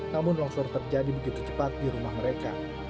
namun longsor terjadi begitu cepat di rumah mereka